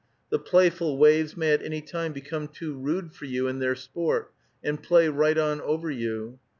The playful waves may at any time become too rude for you in their sport, and play right on over you.